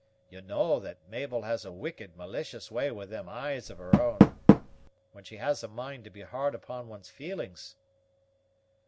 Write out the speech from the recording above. You know that Mabel has a wicked, malicious way with them eyes of her own, when she has a mind to be hard upon one's feelings."